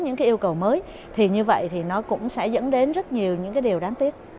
những cái yêu cầu mới thì như vậy thì nó cũng sẽ dẫn đến rất nhiều những cái điều đáng tiếc